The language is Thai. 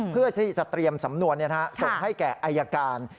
เพื่อที่จะเตรียมสำนวนส่งให้แก่อายการ